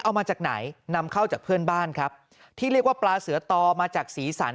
เอามาจากไหนนำเข้าจากเพื่อนบ้านครับที่เรียกว่าปลาเสือต่อมาจากสีสัน